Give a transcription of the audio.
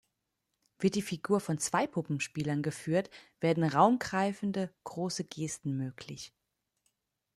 Wird die Figur von zwei Puppenspielern geführt, werden raumgreifende, große Gesten möglich.